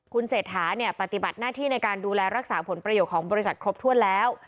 คุณเศรษฐาเนี่ยปฏิบัติหน้าที่ในการดูแลรักษาผลประโยชน์ของบริษัทครบถ้วนแล้ว